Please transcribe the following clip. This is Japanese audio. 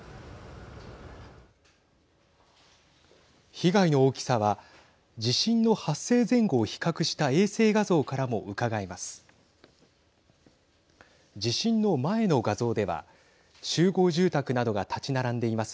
被害の大きさは地震の発生前後を比較した衛星画像からもうかがえます。